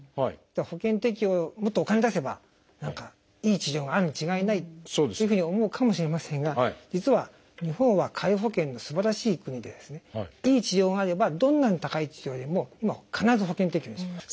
保険適用もっとお金出せば何かいい治療があるに違いないっていうふうに思うかもしれませんが実は日本は皆保険のすばらしい国でいい治療があればどんなに高い治療でも必ず保険適用にします。